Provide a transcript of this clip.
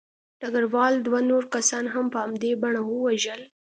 ډګروال دوه نور کسان هم په همدې بڼه ووژل